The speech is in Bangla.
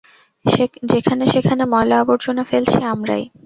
যেখানে সেখানে ময়লা আবর্জনা ফেলছি আমরাই।